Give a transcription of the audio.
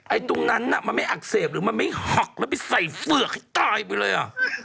ตรงนั้นน่ะมันไม่อักเสบหรือมันไม่หักแล้วไปใส่เฝือกให้ตายไปเลยอ่ะ